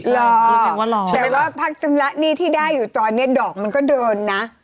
รอแต่ว่าพักชำระหนี้ที่ได้อยู่ตอนนี้ดอกมันก็เดินนะ